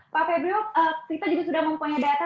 pak febrio kita juga sudah mempunyai data